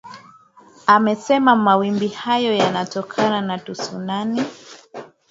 amesema mawimbi hayo yatatokana na tsunami